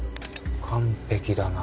完璧だな。